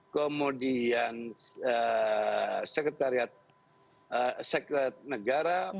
kemudian sekretariat negara